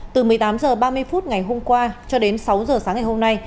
từ một mươi tám h ba mươi phút ngày hôm qua cho đến sáu h sáng ngày hôm nay